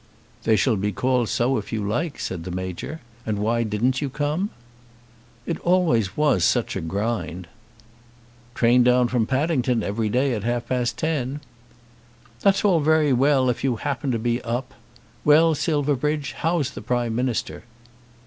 "They shall be called so if you like," said the Major. "And why didn't you come?" "It always was such a grind." "Train down from Paddington every day at half past ten." "That's all very well if you happen to be up. Well, Silverbridge, how's the Prime Minister?"